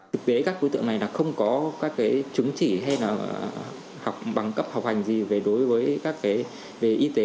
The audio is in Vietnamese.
thực tế các đối tượng này không có chứng chỉ hay bằng cấp học hành gì đối với các y tế